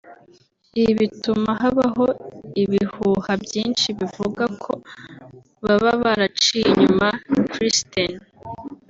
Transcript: ibi bituma habaho ibihuha byinshi bivuga ko baba baraciye inyuma Kristen